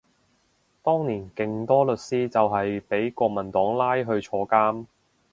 當年勁多律師就係畀國民黨拉去坐監